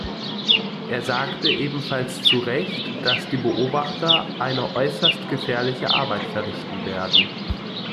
Er sagte ebenfalls zu Recht, dass die Beobachter eine äußerst gefährliche Arbeit verrichten werden.